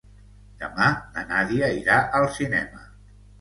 Demà na Nàdia irà al cinema.